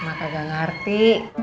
maka gak ngerti